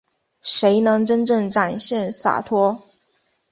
谁能真正展现洒脱